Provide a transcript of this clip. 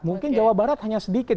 mungkin jawa barat hanya sedikit